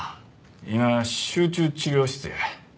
今集中治療室や。